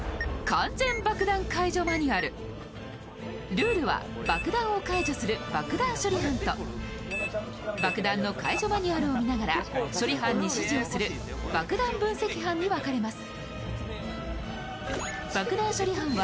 ルールは、爆弾を解除する爆弾処理班と爆弾の解除マニュアルを見ながら処理班に指示をする爆弾分析班に分かれます。